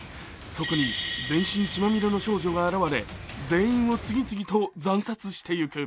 そこに全身血まみれの少女が現れ全員を次々と惨殺していく。